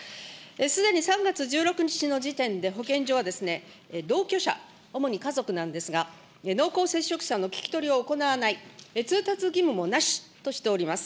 すでに３月１６日の時点で保健所は、同居者、主に家族なんですが、濃厚接触者の聞き取りを行わない、通達義務もなしとしております。